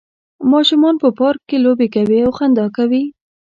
ماشومان په پارک کې لوبې کوي او خندا کوي